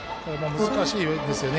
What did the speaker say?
難しいんですよね。